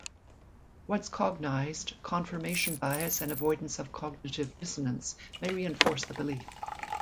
Once cognized, confirmation bias and avoidance of cognitive dissonance may reinforce the belief.